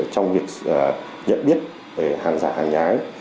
trong việc nhận biết về hàng giả hàng nhái